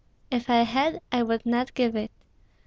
"If I had, I would not give it.